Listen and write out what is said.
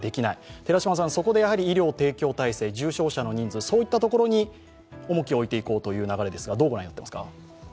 寺嶋さん、そこで医療提供体制、重症者の人数、そういったところに重きを置いていこうという流れどうご覧になっていますか。